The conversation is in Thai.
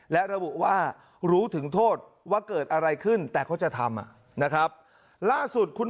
และระบุว่ารู้ถึงโทษว่าเกิดอะไรขึ้นแต่ก็จะทำ